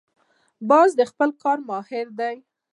باز د خپل کار ماهر دی